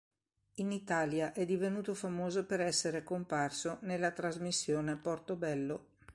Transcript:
In Italia è divenuto famoso per essere comparso nella trasmissione Portobello.